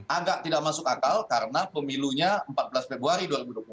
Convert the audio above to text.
agak tidak masuk akal karena pemilunya empat belas februari dua ribu dua puluh